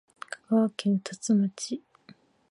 香川県宇多津町